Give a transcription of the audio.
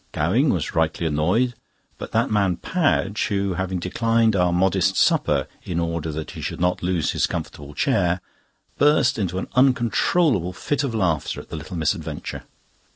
Gowing was rightly annoyed, but that man Padge, who having declined our modest supper in order that he should not lose his comfortable chair, burst into an uncontrollable fit of laughter at the little misadventure.